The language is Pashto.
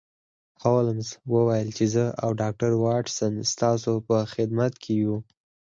هولمز وویل چې زه او ډاکټر واټسن ستاسو په خدمت کې یو